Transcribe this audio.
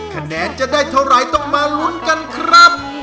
คะแนนจะได้เท่าไหร่ต้องมาลุ้นกันครับ